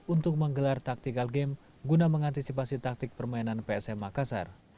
untuk menggelar taktikal game guna mengantisipasi taktik permainan psm makassar